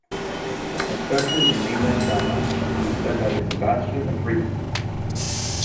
Especially in mainland China, it can be said that it's a bastion of freedom.